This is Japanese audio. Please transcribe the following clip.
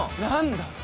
何だ？